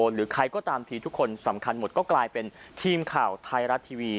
หรือใครก็ตามทีทุกคนสำคัญหมดก็กลายเป็นทีมข่าวไทยรัฐทีวี